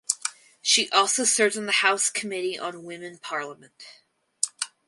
She also serves in the House Committee on Women Parliament.